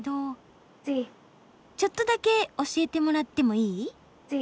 ちょっとだけ教えてもらってもいい？